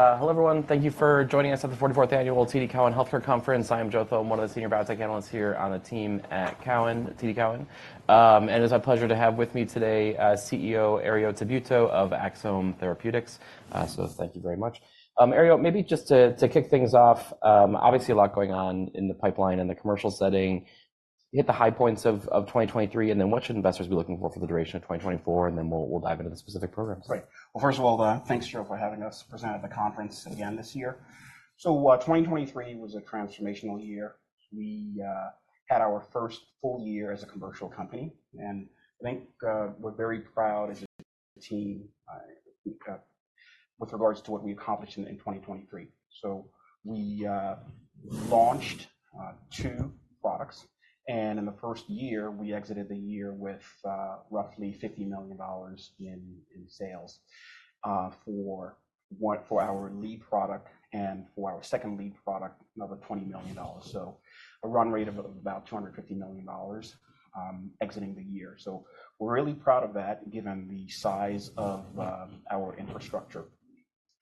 Hello everyone. Thank you for joining us at the 44th Annual TD Cowen Health Care Conference. I am Joe Thome, one of the senior biotech analysts here on the team at Cowen, TD Cowen. It is my pleasure to have with me today, CEO Herriot Tabuteau of Axsome Therapeutics. So thank you very much. Herriot, maybe just to, to kick things off, obviously a lot going on in the pipeline in the commercial setting. Hit the high points of, of 2023, and then what should investors be looking for for the duration of 2024, and then we'll, we'll dive into the specific programs. Right. Well, first of all, thanks, Joe Thome, for having us present at the conference again this year. So, 2023 was a transformational year. We had our first full year as a commercial company, and I think we're very proud as a team with regards to what we accomplished in 2023. So we launched two products, and in the first year we exited the year with roughly $50 million in sales for our lead product and for our second lead product, another $20 million. So a run rate of about $250 million exiting the year. So we're really proud of that given the size of our infrastructure.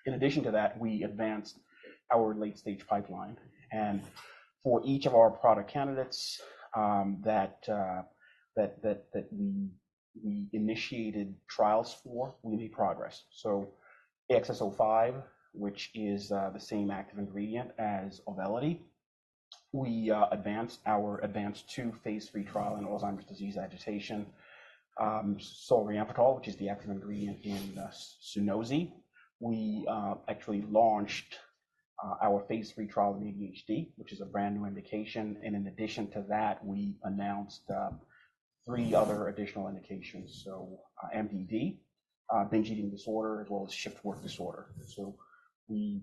In addition to that, we advanced our late-stage pipeline, and for each of our product candidates that we initiated trials for, we made progress. So AXS-05, which is the same active ingredient as Auvelity, we advanced our ADVANCE-2 phase III trial in Alzheimer's disease agitation. Solriamfetol, which is the active ingredient in Sunosi, we actually launched our phase III trial in ADHD, which is a brand new indication. And in addition to that, we announced three other additional indications. So, MDD, binge eating disorder, as well as shift work disorder. So we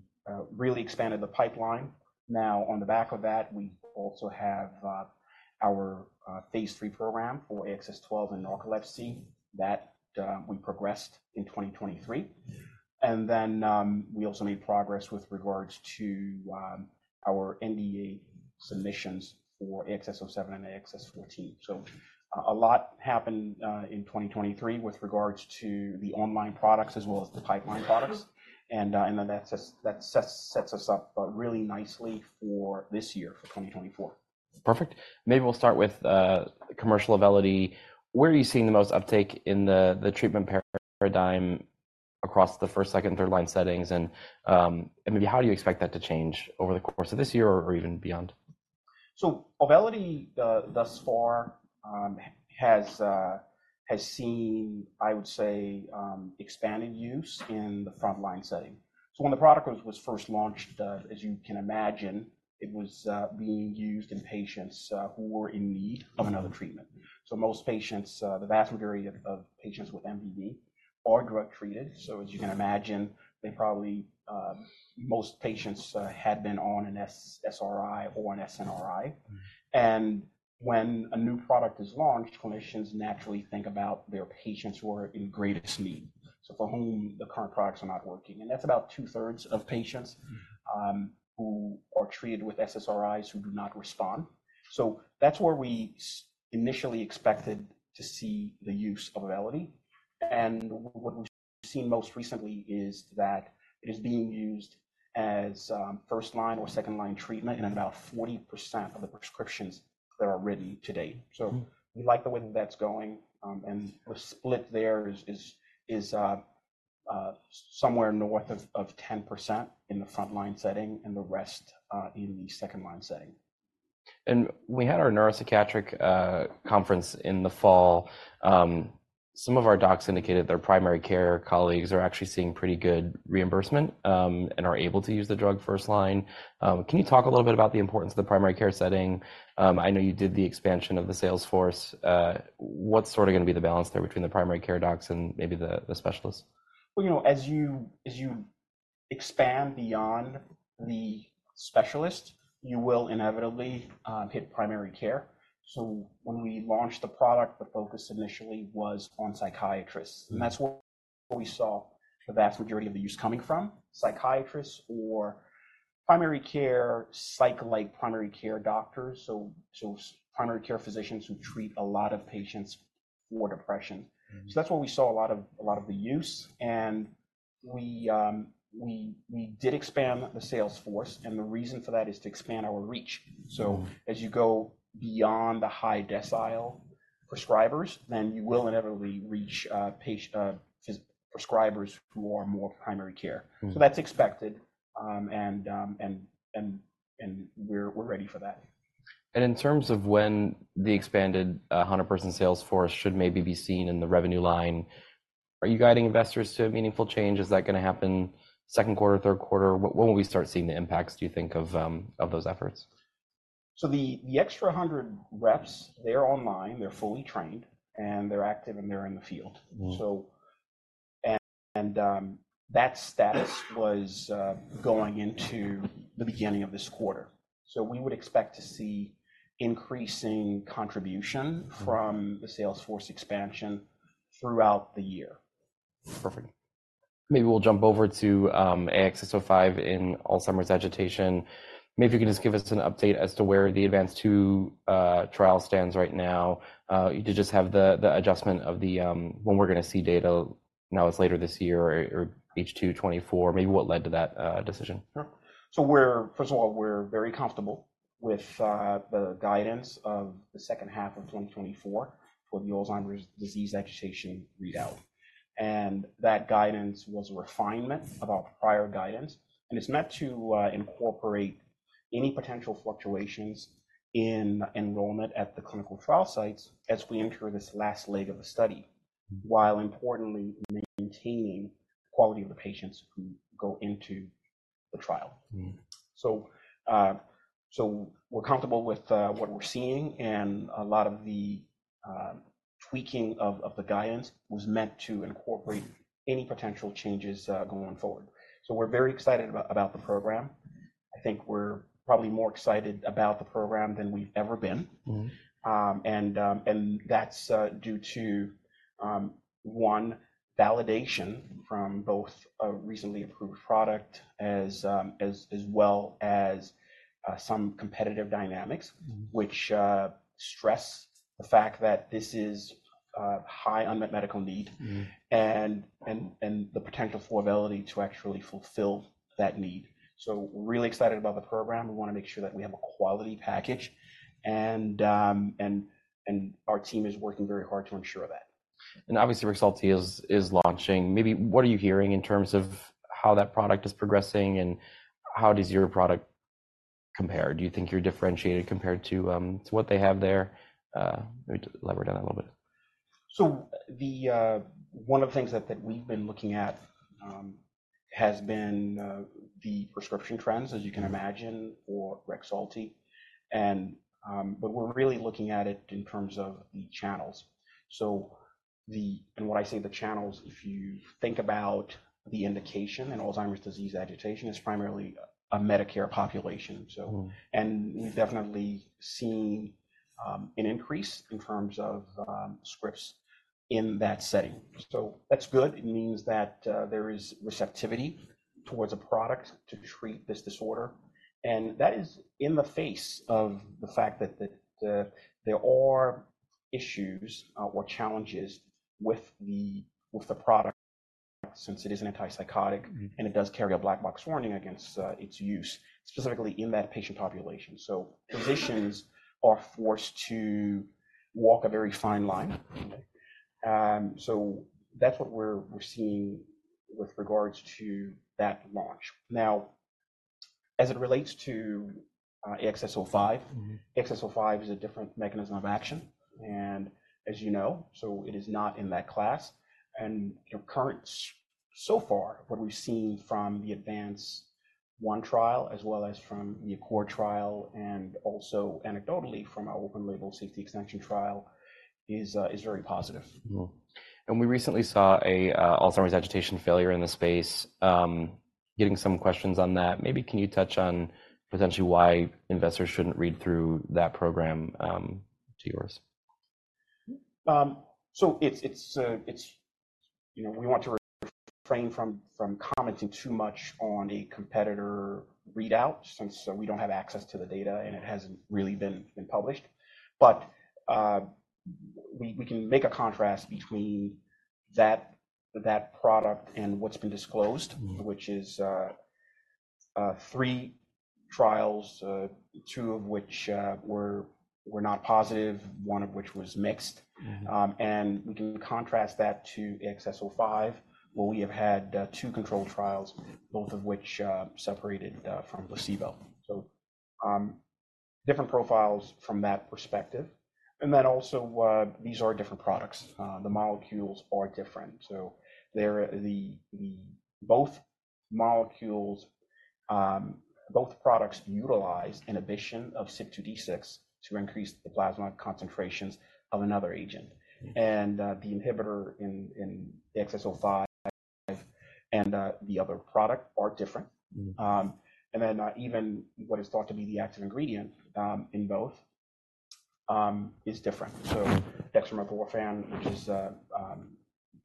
really expanded the pipeline. Now, on the back of that, we also have our phase III program for AXS-12 and narcolepsy that we progressed in 2023. And then, we also made progress with regards to our NDA submissions for AXS-07 and AXS-14. So, a lot happened in 2023 with regards to the in-line products as well as the pipeline products. And then that sets us up really nicely for this year, for 2024. Perfect. Maybe we'll start with commercial Auvelity. Where are you seeing the most uptake in the treatment paradigm across the first, second, third line settings? And maybe how do you expect that to change over the course of this year or even beyond? So Auvelity, thus far, has seen, I would say, expanded use in the frontline setting. So when the product was first launched, as you can imagine, it was being used in patients who were in need of another treatment. So most patients, the vast majority of patients with MDD are drug treated. So as you can imagine, they probably, most patients, had been on an SSRI or an SNRI. And when a new product is launched, clinicians naturally think about their patients who are in greatest need, so for whom the current products are not working. And that's about two-thirds of patients who are treated with SSRIs who do not respond. So that's where we initially expected to see the use of Auvelity. What we've seen most recently is that it is being used as first-line or second-line treatment in about 40% of the prescriptions that are written today. So we like the way that's going, and the split there is somewhere north of 10% in the frontline setting and the rest in the second-line setting. We had our neuropsychiatric conference in the fall. Some of our docs indicated their primary care colleagues are actually seeing pretty good reimbursement, and are able to use the drug first-line. Can you talk a little bit about the importance of the primary care setting? I know you did the expansion of the sales force. What's sort of gonna be the balance there between the primary care docs and maybe the specialists? Well, you know, as you expand beyond the specialist, you will inevitably hit primary care. So when we launched the product, the focus initially was on psychiatrists. And that's where we saw the vast majority of the use coming from: psychiatrists or primary care psych-like primary care doctors, primary care physicians who treat a lot of patients for depression. So that's where we saw a lot of the use. And we did expand the sales force, and the reason for that is to expand our reach. So as you go beyond the high-decile prescribers, then you will inevitably reach prescribers who are more primary care. So that's expected, and we're ready for that. In terms of when the expanded, 100-person sales force should maybe be seen in the revenue line, are you guiding investors to a meaningful change? Is that gonna happen second quarter, third quarter? What, what will we start seeing the impacts, do you think, of, of those efforts? So the extra 100 reps, they're online, they're fully trained, and they're active, and they're in the field. So that status was going into the beginning of this quarter. So we would expect to see increasing contribution from the sales force expansion throughout the year. Perfect. Maybe we'll jump over to AXS-05 in Alzheimer's agitation. Maybe you can just give us an update as to where the ADVANCE-2 trial stands right now. You did just have the adjustment of the when we're gonna see data now is later this year or H2 2024. Maybe what led to that decision. Sure. So we're first of all very comfortable with the guidance of the second half of 2024 for the Alzheimer's disease agitation readout. And that guidance was a refinement of our prior guidance, and it's meant to incorporate any potential fluctuations in enrollment at the clinical trial sites as we enter this last leg of the study, while importantly maintaining quality of the patients who go into the trial. So we're comfortable with what we're seeing, and a lot of the tweaking of the guidance was meant to incorporate any potential changes going forward. So we're very excited about the program. I think we're probably more excited about the program than we've ever been. that's due to validation from both a recently approved product as well as some competitive dynamics, which stress the fact that this is high unmet medical need and the potential for Auvelity to actually fulfill that need. So we're really excited about the program. We wanna make sure that we have a quality package, and our team is working very hard to ensure that. Obviously Rexulti is launching. Maybe what are you hearing in terms of how that product is progressing, and how does your product compare? Do you think you're differentiated compared to what they have there? Maybe elaborate on that a little bit. So one of the things that we've been looking at has been the prescription trends, as you can imagine, for Rexulti. But we're really looking at it in terms of the channels. So what I say the channels, if you think about the indication in Alzheimer's disease agitation, is primarily a Medicare population. So we've definitely seen an increase in terms of scripts in that setting. So that's good. It means that there is receptivity towards a product to treat this disorder. And that is in the face of the fact that there are issues or challenges with the product since it is an antipsychotic and it does carry a black box warning against its use, specifically in that patient population. So physicians are forced to walk a very fine line. So that's what we're seeing with regards to that launch. Now, as it relates to AXS-05, AXS-05 is a different mechanism of action, and as you know, so it is not in that class. You know, so far, what we've seen from the ADVANCE-1 trial as well as from the ACCORD trial and also anecdotally from our open-label safety extension trial is very positive. We recently saw a Alzheimer's agitation failure in the space. Getting some questions on that. Maybe can you touch on potentially why investors shouldn't read through that program to yours? So it's, you know, we want to refrain from commenting too much on a competitor readout since we don't have access to the data, and it hasn't really been published. But we can make a contrast between that product and what's been disclosed, which is three trials, two of which were not positive, one of which was mixed. And we can contrast that to AXS-05, where we have had two controlled trials, both of which separated from placebo. So different profiles from that perspective. And then also, these are different products. The molecules are different. So both molecules, both products utilize inhibition of CYP2D6 to increase the plasma concentrations of another agent. And the inhibitor in AXS-05 and the other product are different. And then even what is thought to be the active ingredient in both is different. So dextromethorphan, which is,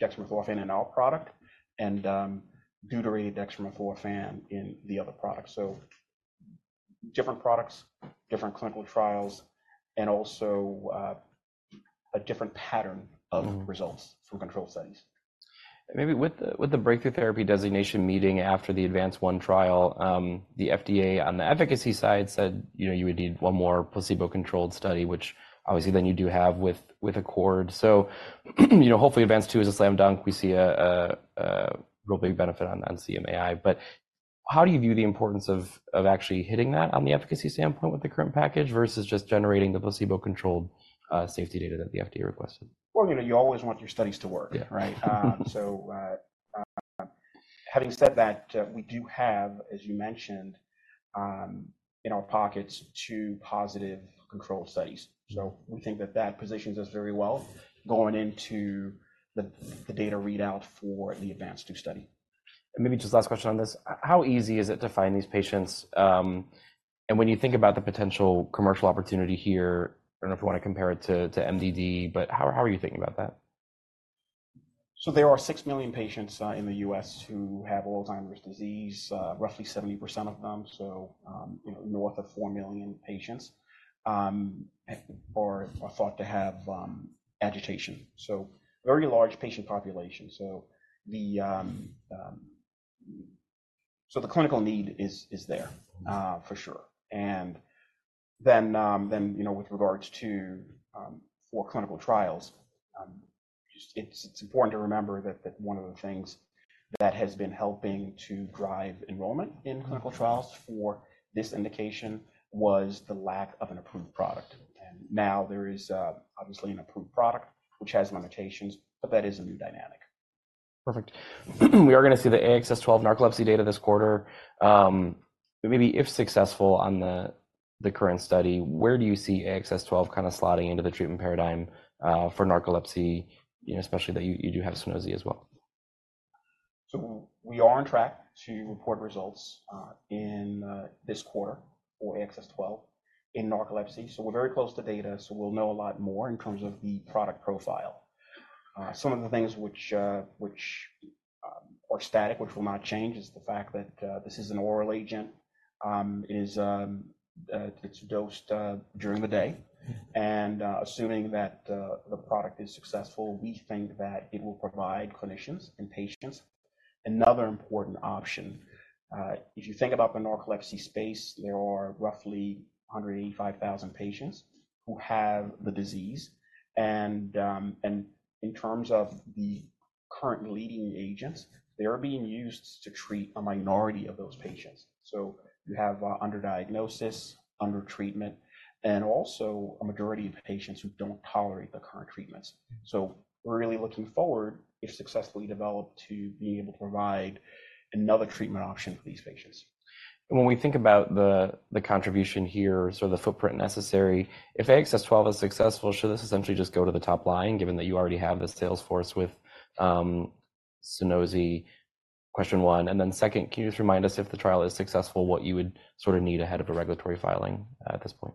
dextromethorphan in our product, and, deuterated dextromethorphan in the other product. So different products, different clinical trials, and also, a different pattern of results from controlled studies. Maybe with the breakthrough therapy designation meeting after the ADVANCE-1 trial, the FDA on the efficacy side said, you know, you would need one more placebo-controlled study, which obviously you do have with ACCORD. So, you know, hopefully ADVANCE-2 is a slam dunk. We see a real big benefit on CMAI. But how do you view the importance of actually hitting that on the efficacy standpoint with the current package versus just generating the placebo-controlled safety data that the FDA requested? Well, you know, you always want your studies to work, right? So, having said that, we do have, as you mentioned, in our pockets two positive controlled studies. So we think that that positions us very well going into the data readout for the ADVANCE-2 study. Maybe just last question on this. How easy is it to find these patients? When you think about the potential commercial opportunity here, I don't know if you wanna compare it to, to MDD, but how, how are you thinking about that? So there are 6 million patients in the US who have Alzheimer's disease, roughly 70% of them. So, you know, north of 4 million patients are thought to have agitation. So very large patient population. So the clinical need is there, for sure. And then, you know, with regards to for clinical trials, it's important to remember that one of the things that has been helping to drive enrollment in clinical trials for this indication was the lack of an approved product. And now there is, obviously an approved product, which has limitations, but that is a new dynamic. Perfect. We are gonna see the AXS-12 narcolepsy data this quarter. Maybe if successful on the current study, where do you see AXS-12 kinda slotting into the treatment paradigm for narcolepsy, you know, especially that you do have Sunosi as well? So we are on track to report results in this quarter for AXS-12 in narcolepsy. So we're very close to data, so we'll know a lot more in terms of the product profile. Some of the things which are static, which will not change, is the fact that this is an oral agent. It is dosed during the day. Assuming that the product is successful, we think that it will provide clinicians and patients another important option. If you think about the narcolepsy space, there are roughly 185,000 patients who have the disease. And in terms of the current leading agents, they are being used to treat a minority of those patients. So you have underdiagnosis, undertreatment, and also a majority of patients who don't tolerate the current treatments. So we're really looking forward, if successfully developed, to being able to provide another treatment option for these patients. And when we think about the contribution here, sort of the footprint necessary, if AXS-12 is successful, should this essentially just go to the top line, given that you already have the sales force with Sunosi, question one? And then second, can you just remind us if the trial is successful, what you would sort of need ahead of a regulatory filing, at this point?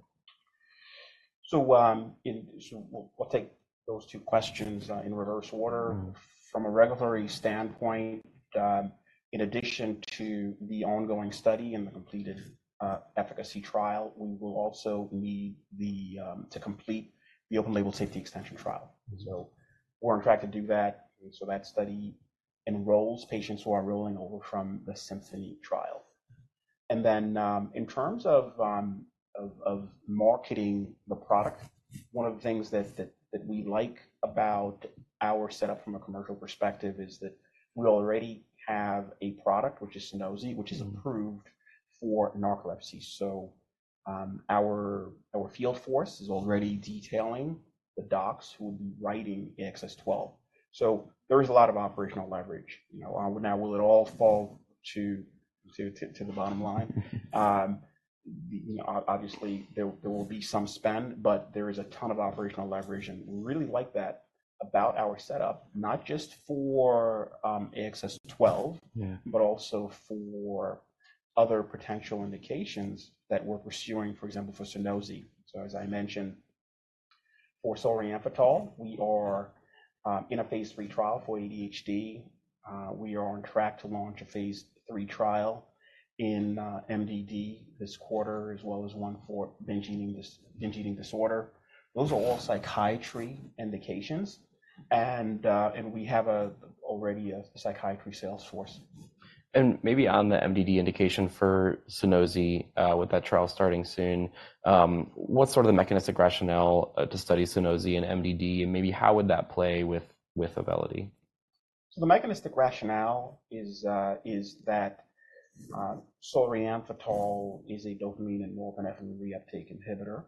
So, we'll take those two questions in reverse order. From a regulatory standpoint, in addition to the ongoing study and the completed efficacy trial, we will also need to complete the open-label safety extension trial. So we're on track to do that. So that study enrolls patients who are rolling over from the SYMPHONY trial. And then, in terms of marketing the product, one of the things that we like about our setup from a commercial perspective is that we already have a product, which is Sunosi, which is approved for narcolepsy. So, our field force is already detailing the docs who will be writing AXS-12. So there is a lot of operational leverage. You know, now will it all fall to the bottom line? You know, obviously, there will be some spend, but there is a ton of operational leverage. And we really like that about our setup, not just for AXS-12, but also for other potential indications that we're pursuing, for example, for Sunosi. So as I mentioned, for solriamfetol, we are in a phase III trial for ADHD. We are on track to launch a phase III trial in MDD this quarter, as well as one for binge eating disorder. Those are all psychiatry indications. And we already have a psychiatry sales force. And maybe on the MDD indication for Sunosi, with that trial starting soon, what's sort of the mechanistic rationale to study Sunosi and MDD? And maybe how would that play with, with Auvelity? So the mechanistic rationale is that solriamfetol is a dopamine and norepinephrine reuptake inhibitor.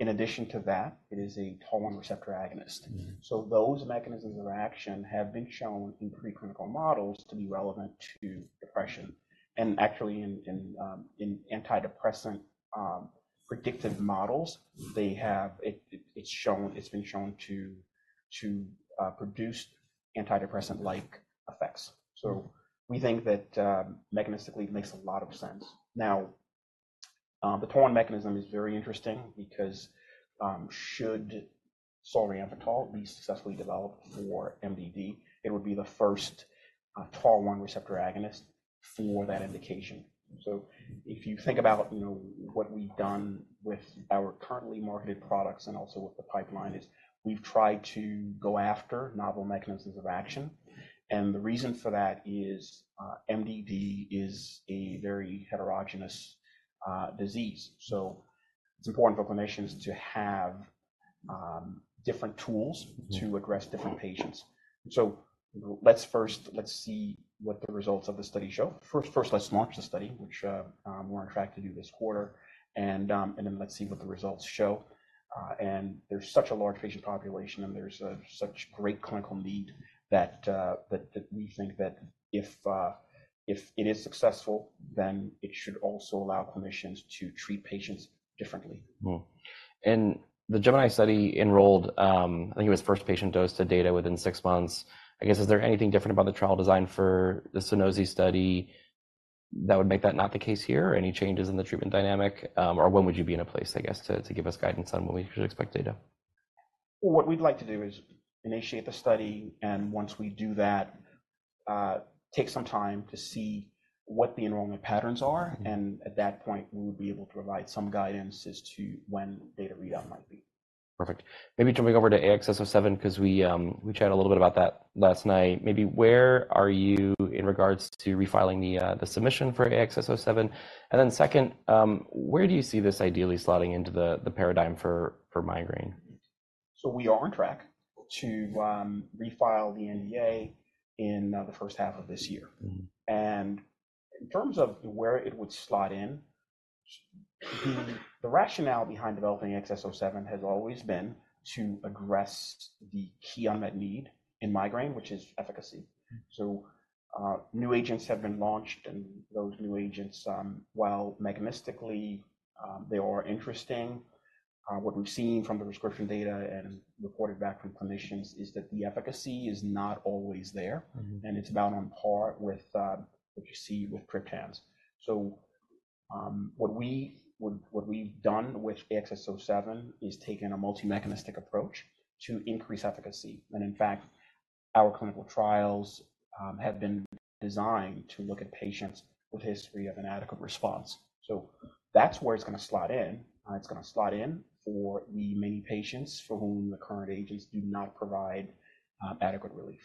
In addition to that, it is a TAAR1 receptor agonist. So those mechanisms of action have been shown in preclinical models to be relevant to depression. And actually, in antidepressant predictive models, it's been shown to produce antidepressant-like effects. So we think that, mechanistically, it makes a lot of sense. Now, the TAAR1 mechanism is very interesting because, should solriamfetol be successfully developed for MDD, it would be the first TAAR1 receptor agonist for that indication. So if you think about, you know, what we've done with our currently marketed products and also with the pipeline is we've tried to go after novel mechanisms of action. And the reason for that is, MDD is a very heterogeneous disease. So it's important for clinicians to have different tools to address different patients. So let's first see what the results of the study show. First, let's launch the study, which we're on track to do this quarter. And then let's see what the results show. And there's such a large patient population, and there's such great clinical need that we think that if it is successful, then it should also allow clinicians to treat patients differently. The GEMINI study enrolled, I think it was first patient dose to data within six months. I guess, is there anything different about the trial design for the Sunosi study that would make that not the case here? Any changes in the treatment dynamic, or when would you be in a place, I guess, to give us guidance on when we should expect data? What we'd like to do is initiate the study. Once we do that, take some time to see what the enrollment patterns are. At that point, we would be able to provide some guidance as to when data readout might be. Perfect. Maybe jumping over to AXS-07 'cause we, we chatted a little bit about that last night. Maybe where are you in regards to refiling the, the submission for AXS-07? And then second, where do you see this ideally slotting into the, the paradigm for, for migraine? So we are on track to refile the NDA in the first half of this year. In terms of where it would slot in, the rationale behind developing AXS-07 has always been to address the key unmet need in migraine, which is efficacy. New agents have been launched, and those new agents, while mechanistically they are interesting, what we've seen from the prescription data and reported back from clinicians is that the efficacy is not always there. It's about on par with what you see with triptans. What we've done with AXS-07 is taken a multi-mechanistic approach to increase efficacy. In fact, our clinical trials have been designed to look at patients with a history of inadequate response. That's where it's gonna slot in. It's gonna slot in for the many patients for whom the current agents do not provide adequate relief.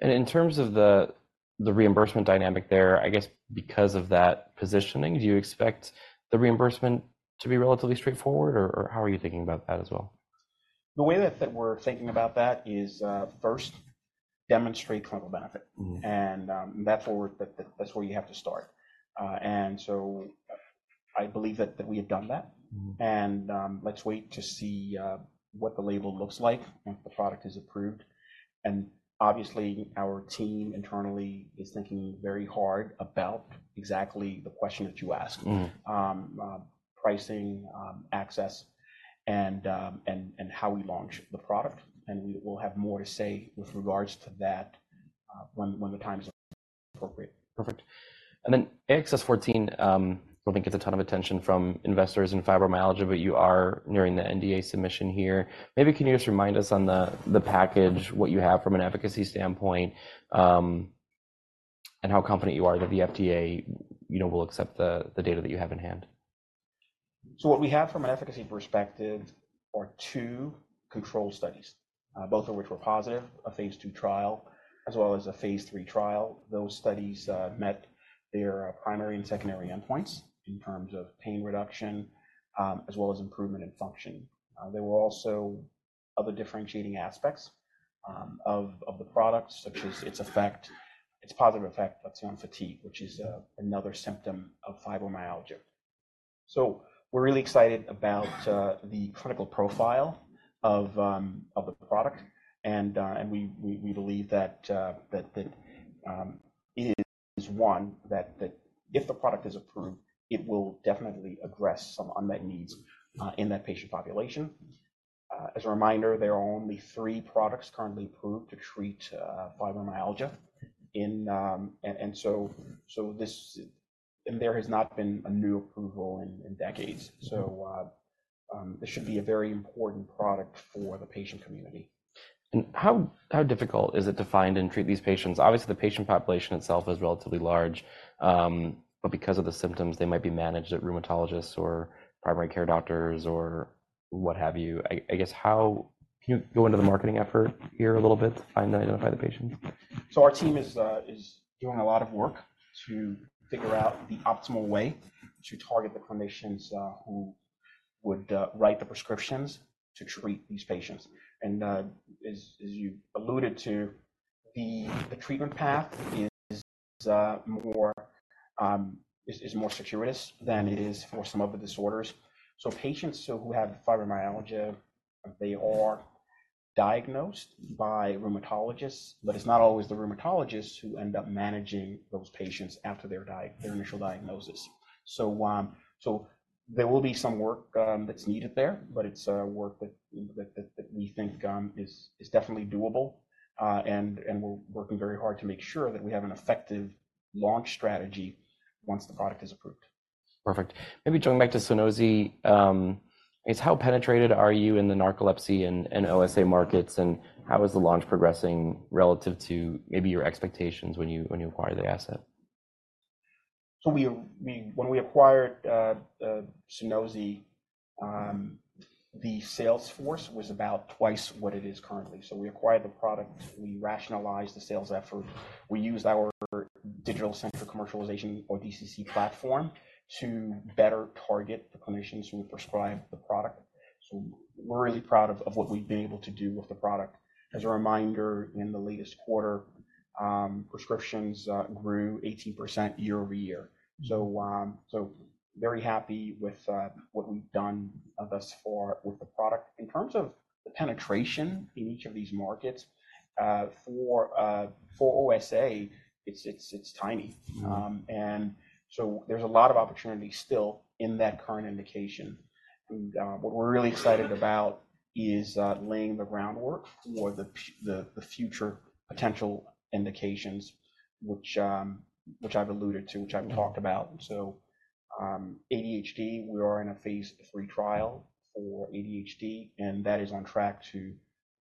In terms of the reimbursement dynamic there, I guess because of that positioning, do you expect the reimbursement to be relatively straightforward, or how are you thinking about that as well? The way that we're thinking about that is, first, demonstrate clinical benefit. And that's where you have to start. And so, I believe that we have done that. And let's wait to see what the label looks like once the product is approved. And obviously, our team internally is thinking very hard about exactly the question that you asked, pricing, access, and how we launch the product. And we will have more to say with regards to that, when the time's appropriate. Perfect. And then AXS-14, don't think gets a ton of attention from investors in fibromyalgia, but you are nearing the NDA submission here. Maybe can you just remind us on the package, what you have from an efficacy standpoint, and how confident you are that the FDA, you know, will accept the data that you have in hand? So what we have from an efficacy perspective are two controlled studies, both of which were positive: a phase III trial as well as a phase III trial. Those studies met their primary and secondary endpoints in terms of pain reduction, as well as improvement in function. There were also other differentiating aspects of the product, such as its effect, its positive effect, let's say, on fatigue, which is another symptom of fibromyalgia. So we're really excited about the clinical profile of the product. And we believe that it is one that if the product is approved, it will definitely address some unmet needs in that patient population. As a reminder, there are only three products currently approved to treat fibromyalgia in, and so this and there has not been a new approval in decades. This should be a very important product for the patient community. How difficult is it to find and treat these patients? Obviously, the patient population itself is relatively large, but because of the symptoms, they might be managed at rheumatologists or primary care doctors or what have you. I guess how can you go into the marketing effort here a little bit to find and identify the patients? So our team is doing a lot of work to figure out the optimal way to target the clinicians who would write the prescriptions to treat these patients. And, as you alluded to, the treatment path is more circuitous than it is for some other disorders. So patients who have fibromyalgia, they are diagnosed by rheumatologists, but it's not always the rheumatologists who end up managing those patients after their initial diagnosis. So there will be some work that's needed there, but it's work that we think is definitely doable. And we're working very hard to make sure that we have an effective launch strategy once the product is approved. Perfect. Maybe jumping back to Sunosi, I guess how penetrated are you in the narcolepsy and OSA markets, and how is the launch progressing relative to maybe your expectations when you acquire the asset? So we are—I mean, when we acquired Sunosi, the sales force was about twice what it is currently. So we acquired the product. We rationalized the sales effort. We used our Digital Centric Commercialization, or DCC, platform to better target the clinicians who prescribe the product. So we're really proud of what we've been able to do with the product. As a reminder, in the latest quarter, prescriptions grew 18% year-over-year. So very happy with what we've done thus far with the product. In terms of the penetration in each of these markets, for OSA, it's tiny, and so there's a lot of opportunity still in that current indication. And what we're really excited about is laying the groundwork for the future potential indications, which I've alluded to, which I've talked about. ADHD, we are in a phase III trial for ADHD, and that is on track to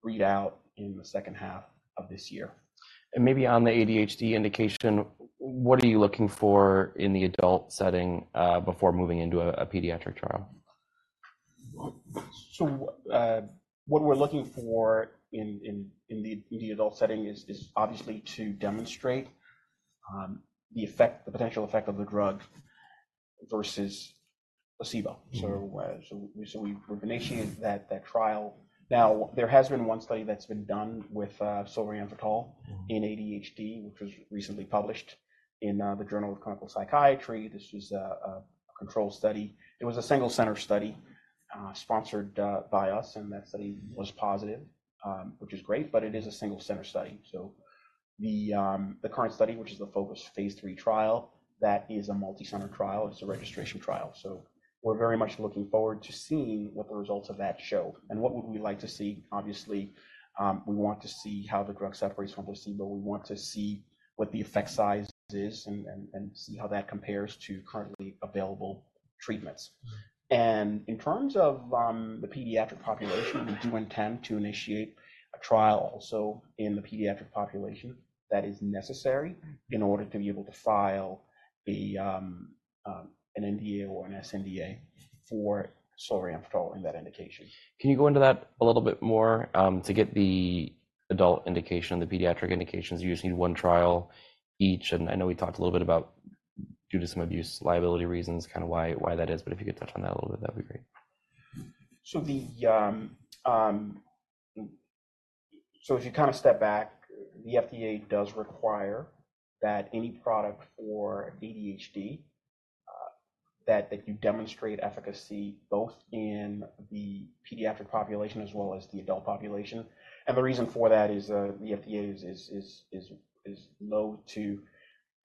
read out in the second half of this year. Maybe on the ADHD indication, what are you looking for in the adult setting, before moving into a pediatric trial? So, what we're looking for in the adult setting is obviously to demonstrate the potential effect of the drug versus placebo. So we've initiated that trial. Now, there has been one study that's been done with solriamfetol in ADHD, which was recently published in the Journal of Clinical Psychiatry. This was a controlled study. It was a single-center study, sponsored by us. And that study was positive, which is great, but it is a single-center study. So the current study, which is the FOCUS Phase III trial, that is a multi-center trial. It's a registration trial. So we're very much looking forward to seeing what the results of that show. And what would we like to see? Obviously, we want to see how the drug separates from placebo. We want to see what the effect size is and see how that compares to currently available treatments. In terms of the pediatric population, we do intend to initiate a trial also in the pediatric population that is necessary in order to be able to file an NDA or an sNDA for solriamfetol in that indication. Can you go into that a little bit more, to get the adult indication, the pediatric indications? You just need one trial each. And I know we talked a little bit about due to some abuse liability reasons, kind of why, why that is. But if you could touch on that a little bit, that would be great. So if you kind of step back, the FDA does require that any product for ADHD that you demonstrate efficacy both in the pediatric population as well as the adult population. And the reason for that is, the FDA is loath to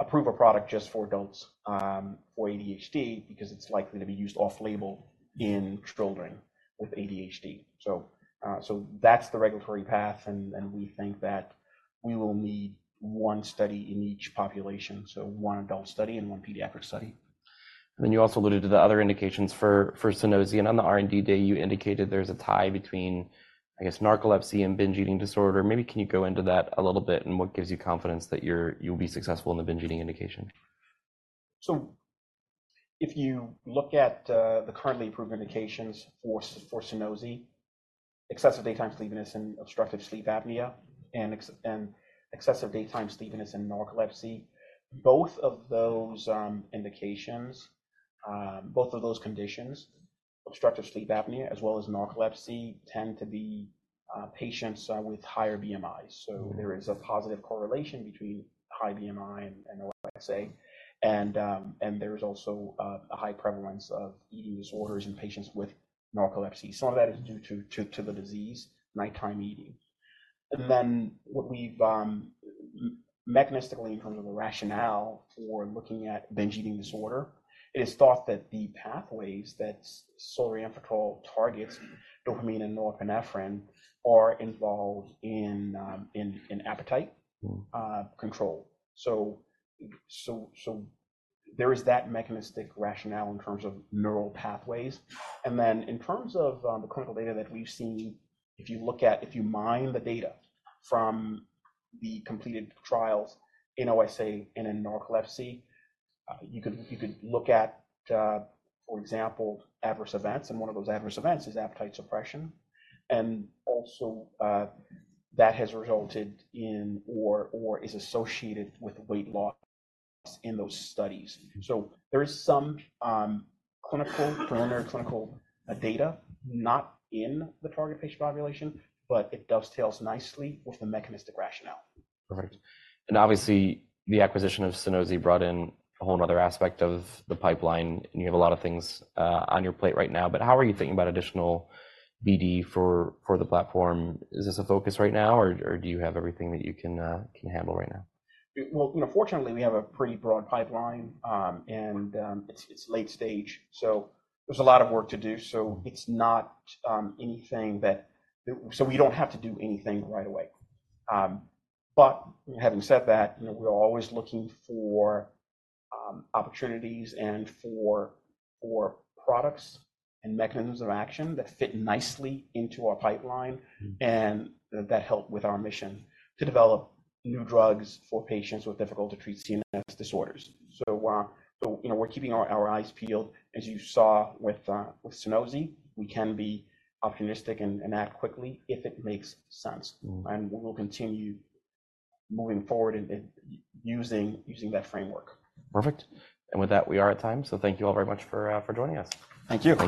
approve a product just for adults for ADHD because it's likely to be used off-label in children with ADHD. So that's the regulatory path. And we think that we will need one study in each population, so one adult study and one pediatric study. And then you also alluded to the other indications for Sunosi. And on the R&D day, you indicated there's a tie between, I guess, narcolepsy and binge eating disorder. Maybe can you go into that a little bit and what gives you confidence that you'll be successful in the binge eating indication? So if you look at the currently approved indications for Sunosi, excessive daytime sleepiness and obstructive sleep apnea, and excessive daytime sleepiness and narcolepsy, both of those indications, both of those conditions, obstructive sleep apnea as well as narcolepsy, tend to be patients with higher BMI. So there is a positive correlation between high BMI and OSA. And there is also a high prevalence of eating disorders in patients with narcolepsy. Some of that is due to the disease, nighttime eating. And then what we've mechanistically in terms of the rationale for looking at binge eating disorder, it is thought that the pathways that solriamfetol targets, dopamine and norepinephrine, are involved in appetite control. So there is that mechanistic rationale in terms of neural pathways. And then, in terms of the clinical data that we've seen, if you look at if you mine the data from the completed trials in OSA and in narcolepsy, you could you could look at, for example, adverse events. And one of those adverse events is appetite suppression. And also, that has resulted in or, or is associated with weight loss in those studies. So there is some, clinical preliminary clinical, data not in the target patient population, but it dovetails nicely with the mechanistic rationale. Perfect. And obviously, the acquisition of Sunosi brought in a whole nother aspect of the pipeline. And you have a lot of things on your plate right now. But how are you thinking about additional BD for the platform? Is this a focus right now, or do you have everything that you can handle right now? Well, you know, fortunately, we have a pretty broad pipeline, and it's late stage. So there's a lot of work to do. So it's not anything that so we don't have to do anything right away. But having said that, you know, we're always looking for opportunities and for products and mechanisms of action that fit nicely into our pipeline and that help with our mission to develop new drugs for patients with difficult-to-treat CNS disorders. So, you know, we're keeping our eyes peeled. As you saw with Sunosi, we can be optimistic and act quickly if it makes sense. And we will continue moving forward and using that framework. Perfect. With that, we are at time. Thank you all very much for joining us. Thank you.